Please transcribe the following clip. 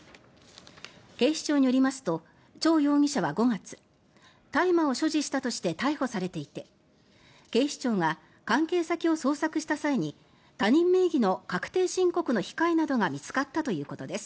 警視庁によりますとチョウ容疑者は５月大麻を所持したとして逮捕されていて警視庁が関係先を捜索した際に他人名義の確定申告の控えなどが見つかったということです。